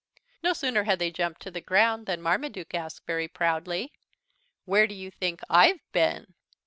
No sooner had they jumped to the ground than Marmaduke asked, very proudly: "Where do you think I've been?"